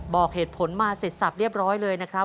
บอกเหตุผลมาเสร็จสับเรียบร้อยเลยนะครับ